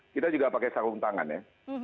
kita juga pakai sarung tangan ya